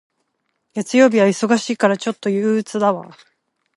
月曜日は忙しいから、ちょっと憂鬱だわ。